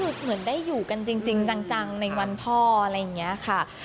เหมือนได้อยู่กันจริงจังในวันพ่ออะไรอย่างนี้ค่ะ